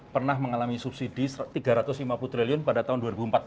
pernah mengalami subsidi tiga ratus lima puluh triliun pada tahun dua ribu empat belas